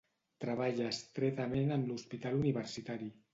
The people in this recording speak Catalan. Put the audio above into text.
Treballa estretament amb l'hospital universitari.